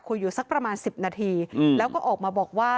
คุยอยู่สักประมาณ๑๐นาทีแล้วก็ออกมาบอกว่า